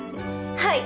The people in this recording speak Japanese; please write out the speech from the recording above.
はい。